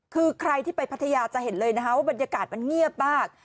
คือใครที่ไปพัทยาจะเห็นเลยนะคะว่าบรรยากาศมันเงียบมาก